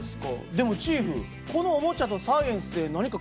でもチーフこのおもちゃとサイエンスって何か関係があるんですか？